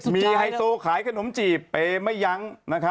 มีไฮโซขายขนมจีบเปย์ไม่ยั้ง